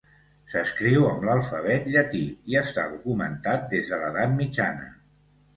S'escriu amb l'alfabet llatí i està documentat des de l'edat mitjana.